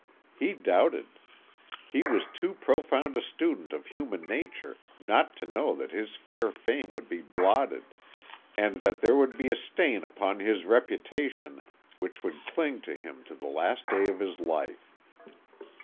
He doubted. He was too profound a student of human nature not to know that his fair fame would be blotted, and that there would be a stain upon his reputation which would cling to him to the last day of his life.